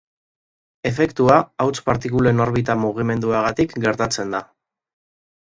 Efektua, hauts partikulen orbita mugimenduagatik gertatzen da.